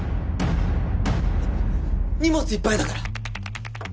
荷物いっぱいだから。